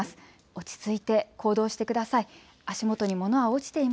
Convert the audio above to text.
落ち着いて行動してください。